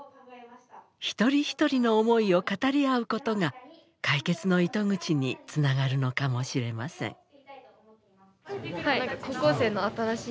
一人一人の思いを語り合うことが解決の糸口につながるのかもしれません。